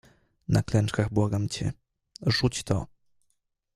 "Na klęczkach błagam cię, rzuć to!"